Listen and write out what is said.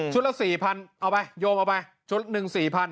ละ๔๐๐๐เอาไปโยงเอาไปชุดหนึ่ง๔๐๐